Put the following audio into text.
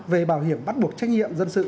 về bảo hiểm bắt buộc trách nhiệm dân sự